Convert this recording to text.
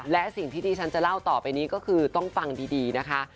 และสิ่งที่ที่ฉันจะเล่าต่อไปนี้ก็คือต้องฟังดีนะคะ